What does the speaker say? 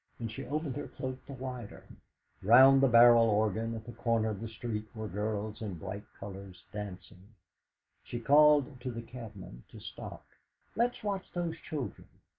And she opened her cloak the wider. Round a barrel organ at the corner of a street were girls in bright colours dancing. She called to the cabman to stop. "Let's watch those children!"